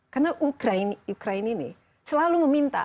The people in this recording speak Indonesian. karena ukraini nih selalu meminta